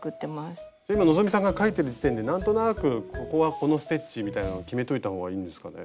今希さんが描いてる時点で何となくここはこのステッチみたいなのを決めといたほうがいいんですかね？